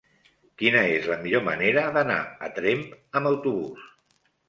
Quina és la millor manera d'anar a Tremp amb autobús?